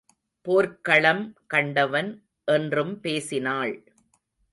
போர்க்களம் கண்டவன் என்றும் பேசினாள்.